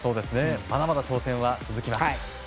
まだまだ挑戦は続きます。